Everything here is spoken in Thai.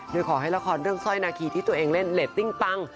โดยขอให้ละครเรื่องสร้อยนาคีที่ตัวเองเล่นเรตติ้งปัง